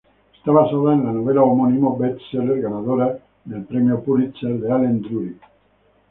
Está basada en la novela homónima best-seller ganadora del Premio Pulitzer de Allen Drury.